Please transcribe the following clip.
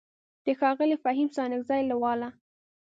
د ښاغلي فهيم ستانکزي له واله: